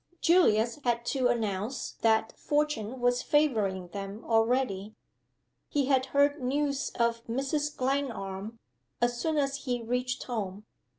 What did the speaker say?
Julius had to announce that Fortune was favoring them already. He had heard news of Mrs. Glenarm, as soon as he reached home.